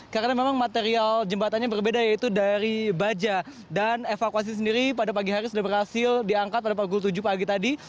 karena memang material jembatannya berbeda yaitu dari baja dan evakuasi sendiri pada pagi hari sudah berhasil diangkat pada pagi tujuh pagi tadi